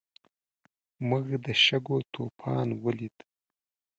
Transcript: موږ د شګو طوفان ولید.